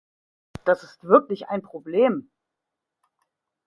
Das ist wirklich ein Problem.